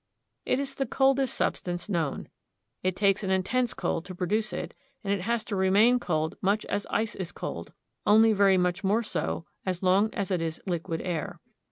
It is the coldest substance known. It takes an intense cold to produce it, and it has to remain cold much as ice is cold, only very much more so, as long as it is liquid air.